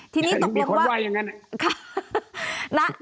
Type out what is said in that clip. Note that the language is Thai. ทีนี้ตกลงว่า